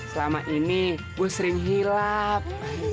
selama ini gue sering hilap